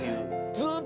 ずーっと。